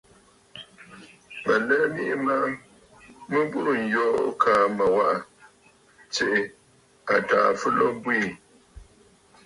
Mə̀ lɛ miʼì ma mɨ burə̀ yoo kaa mə waʼà tsiʼì àtàà fɨlo bwiî.